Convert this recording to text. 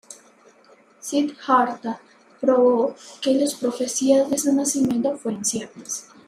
Siddhartha probó que las profecías de su nacimiento fueron ciertas.